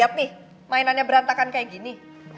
lihat nih mainannya berantakan kayak gini